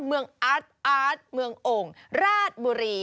อาร์ตอาร์ตเมืองโอ่งราชบุรี